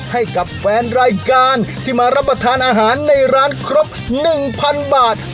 ให้กับแฟนรายการที่มารับประทานอาหารในร้านครบ๑๐๐๐บาท